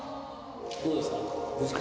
どうですか？